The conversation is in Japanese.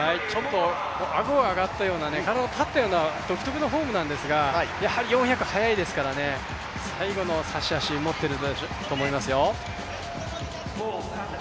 あごが上がったような体が立ったような独特なフォームなんですがやはり４００速いですからね、最後の差し足、持っていると思いますよ。